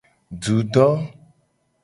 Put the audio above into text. Dudo.